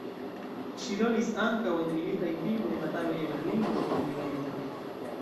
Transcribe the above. Ŝi rolis ankaŭ en militaj filmoj "Batalo je Berlino" en "Liberiĝo".